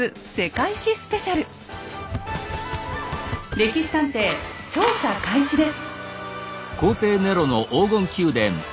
「歴史探偵」調査開始です。